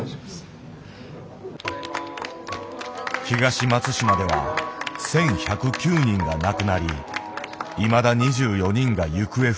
東松島では１，１０９人が亡くなりいまだ２４人が行方不明。